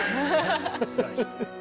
すばらしい。